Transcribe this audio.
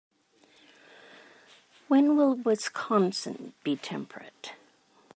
When will Wisconsin be temperate?